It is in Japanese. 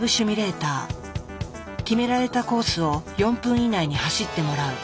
決められたコースを４分以内に走ってもらう。